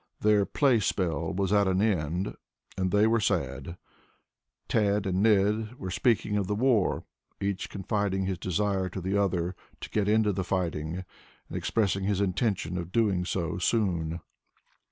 Their playspell was at an end and they were sad. Tad and Ned were speaking of the war, each confiding his desire to the other, to get into the fight, and expressing his intention of doing so soon.